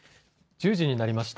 １０時になりました。